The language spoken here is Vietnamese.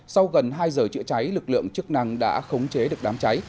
sau gần hai giờ chữa cháy lực lượng chức năng đã khống chế được đám cháy